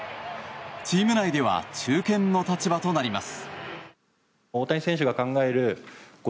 チーム内では中堅の立場となります。